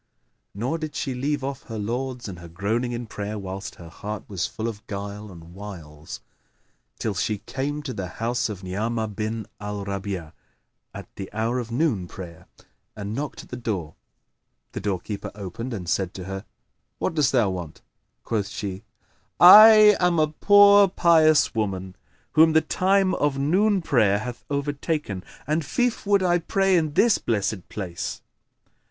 Nor did she leave off her lauds and her groaning in prayer whilst her heart was full of guile and wiles, till she came to the house of Ni'amah bin al Rabi'a at the hour of noon prayer, and knocked at the door. The doorkeeper opened and said to her, "What dost thou want?" Quoth she, "I am a poor pious woman, whom the time of noon prayer hath overtaken, and fief would I pray in this blessed place."